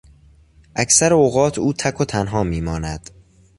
اکثر اوقات او تک و تنها میماند.